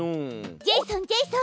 ジェイソンジェイソン！